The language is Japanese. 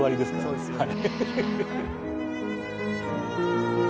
そうですよね。